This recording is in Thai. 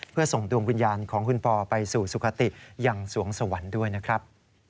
เพื่อส่งดวงวิญญาณของคุณปอไปสู่สุขติยังสวงสวรรค์ด้วยนะครับ